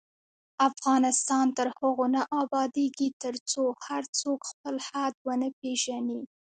افغانستان تر هغو نه ابادیږي، ترڅو هر څوک خپل حد ونه پیژني.